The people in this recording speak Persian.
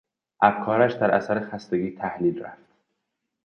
افکارش در اثر خستگی تحلیل رفت.